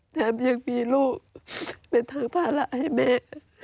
แต่ยังมีลูกเป็นภาระให้แม่